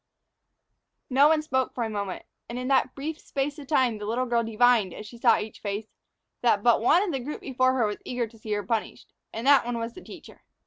No one spoke for a moment. And in that brief space the little girl divined, as she sought each face, that but one of the group before her was eager to see her punished, and that one was the teacher.